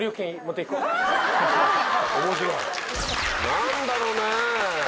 何だろうねぇ。